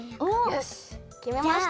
よしきめました。